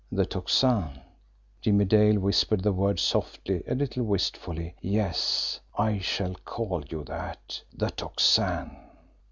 "The Tocsin!" Jimmie Dale whispered the word softly, a little wistfully. "Yes; I shall call you that the Tocsin!"